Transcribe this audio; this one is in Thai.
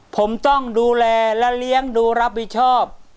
ผมต้องดูแลและเลี้ยงดูรับผิดชอบ